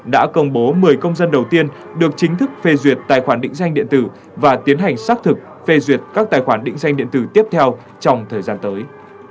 đã công bố một mươi công dân đầu tiên được chính thức phê duyệt tài khoản định danh điện tử và tiến hành xác thực phê duyệt các tài khoản định danh điện tử tiếp theo trong thời gian tới